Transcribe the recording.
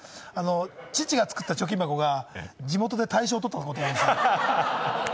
父の作った貯金箱が地元で大賞を取ったことがあります。